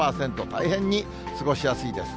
大変に過ごしやすいです。